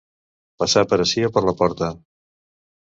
Passar per ací o per la porta.